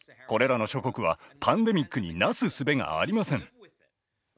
これらの諸国はパンデミックになすすべがありません。